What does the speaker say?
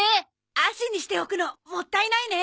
アシにしておくのもったいないね！